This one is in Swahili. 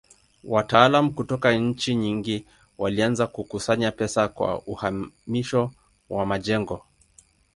Wataalamu kutoka nchi nyingi walianza kukusanya pesa kwa uhamisho wa majengo.